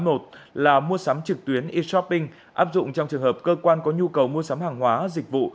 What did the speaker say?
một là mua sắm trực tuyến e shopping áp dụng trong trường hợp cơ quan có nhu cầu mua sắm hàng hóa dịch vụ